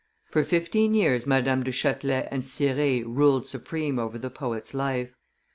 For fifteen years Madame du Chatelet and Cirey ruled supreme over the poet's life.